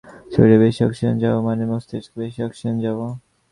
শরীরে বেশি অক্সিজেন যাওয়া মানে মস্তিষ্কে বেশি অক্সিজেন যাওয়া।